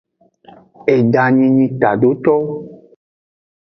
Edanyi nyi tadotowo.